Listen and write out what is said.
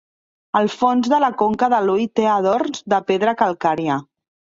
El fons de la conca de l'ull té adorns de pedra calcària.